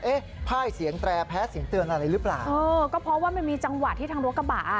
พ่ายเสียงแตรแพ้เสียงเตือนอะไรหรือเปล่าเออก็เพราะว่ามันมีจังหวะที่ทางรถกระบะอ่ะ